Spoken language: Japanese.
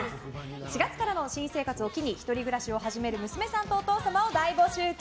４月からの新生活を機に１人暮らしを始める娘さんとお父様を大募集中。